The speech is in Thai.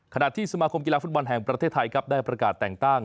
ที่สมาคมกีฬาฟุตบอลแห่งประเทศไทยครับได้ประกาศแต่งตั้ง